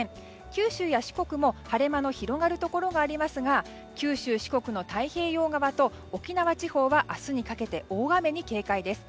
九州や四国も晴れ間の広がるところがありますが九州、四国の太平洋側と沖縄地方は明日にかけて大雨に警戒です。